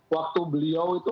waktu beliau itu